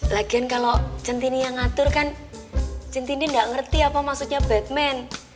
lagian kalau centini yang ngatur kan centini nggak ngerti apa maksudnya batman